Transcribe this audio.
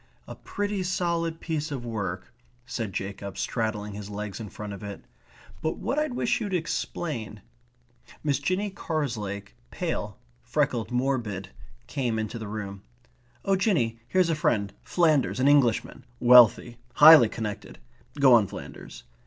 "A pretty solid piece of work," said Jacob, straddling his legs in front of it. "But what I wish you'd explain ..." Miss Jinny Carslake, pale, freckled, morbid, came into the room. "Oh Jinny, here's a friend. Flanders. An Englishman. Wealthy. Highly connected. Go on, Flanders...."